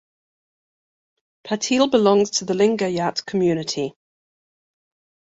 Patil belongs to the Lingayat community.